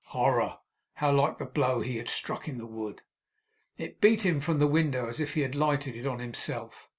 Horror! How like the blow he had struck in the wood! It beat him from the window as if it had lighted on himself.